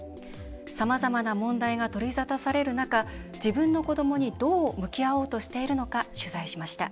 さまざまな問題が取り沙汰される中自分の子どもにどう向き合おうとしているのか取材しました。